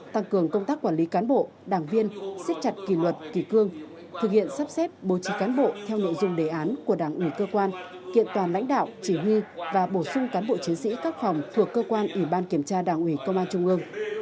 tăng cường công tác quản lý cán bộ đảng viên xiết chặt kỳ luật kỳ cương thực hiện sắp xếp bố trí cán bộ theo nội dung đề án của đảng ủy cơ quan kiện toàn lãnh đạo chỉ huy và bổ sung cán bộ chiến sĩ các phòng thuộc cơ quan ủy ban kiểm tra đảng ủy công an trung ương